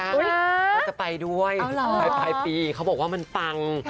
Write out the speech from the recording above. แล้วจะไปด้วยภายปีเขาบอกว่ามันฟัง